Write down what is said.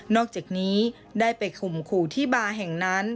อกจากนี้ได้ไปข่มขู่ที่บาร์แห่งนั้น